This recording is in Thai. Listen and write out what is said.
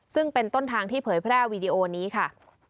ซึ่งเป็นต้นทางที่เผยแพร่วีดีโอนี้ค่ะ